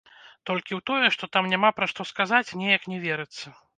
Толькі ў тое, што там няма пра што сказаць, неяк не верыцца.